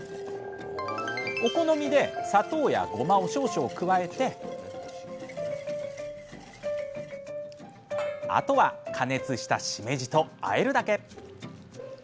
お好みで砂糖やごまを少々加えてあとは加熱したしめじとあえるだけ！